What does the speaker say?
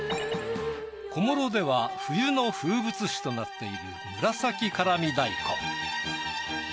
小諸では冬の風物詩となっている紫辛味大根。